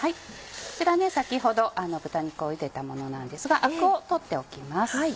こちら先ほど豚肉をゆでたものなんですがアクを取っておきます。